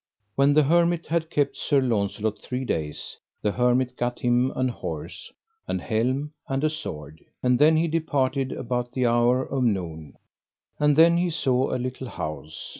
When the hermit had kept Sir Launcelot three days, the hermit gat him an horse, an helm, and a sword. And then he departed about the hour of noon. And then he saw a little house.